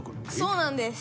そうなんです。